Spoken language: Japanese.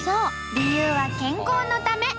理由は健康のため！